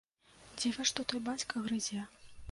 Дзіва што той бацька грызе.